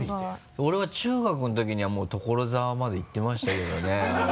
俺は中学のときにはもう所沢まで行ってましたけどね。